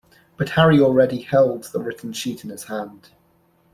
But Harry already held the written sheet in his hand.